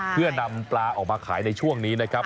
เพื่อนำปลาออกมาขายในช่วงนี้นะครับ